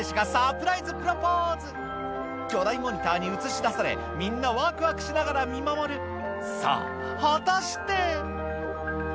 プロポーズ巨大モニターに映し出されみんなわくわくしながら見守るさぁ果たして？